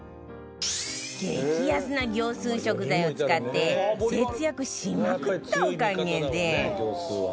激安な業スー食材を使って節約しまくったおかげで